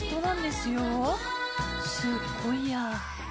すごいや。